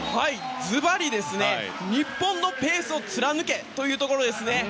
ずばり、日本のペースを貫けというところですね。